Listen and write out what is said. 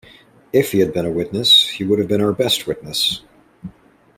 If he had been a witness, he would have been our best witness.